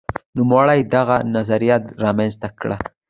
نوموړي دغه نظریه رامنځته کړه.